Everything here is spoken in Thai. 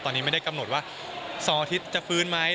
ตอนนี้ไม่ได้กำหนดว่า๒อาทิตย์จะฟื้นไหม